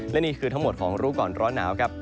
และนี่คือทั้งหมดของรู้ก่อนร้อนหนาวครับ